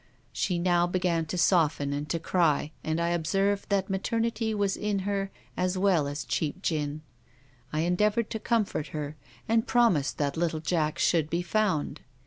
She now began to soften and to cry, and I observed that maternity was in her as well as cheap gin. I endeavoured to comfort her and promised that little Jack should be found.